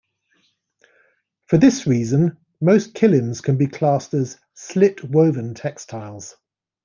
For this reason, most kilims can be classed as "slit woven" textiles.